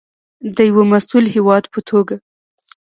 د یو مسوول هیواد په توګه.